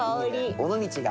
尾道が。